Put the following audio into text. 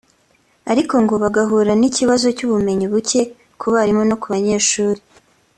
ariko ngo bagahura n’ikibazo cy’ubumenyi buke ku barimu no ku banyeshuri